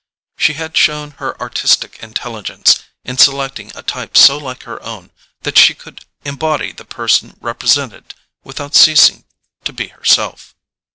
She had shown her artistic intelligence in selecting a type so like her own that she could embody the person represented without ceasing to be herself.